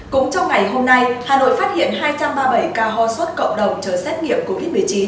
cũng trong ngày hôm nay hà nội phát hiện hai trăm ba mươi bảy ca ho sốt cộng đồng chờ xét nghiệm covid một mươi chín